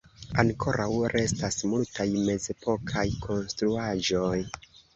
Ankoraŭ restas multaj mezepokaj konstruaĵoj.